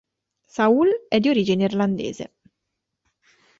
Saul è di origine irlandese.